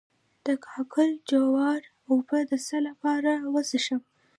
د کاکل جوار اوبه د څه لپاره وڅښم؟